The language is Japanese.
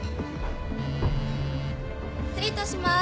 失礼いたします。